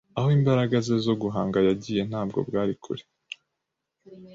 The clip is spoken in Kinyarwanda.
aho imbaraga ze zo guhanga yagiye ntabwo bwari kure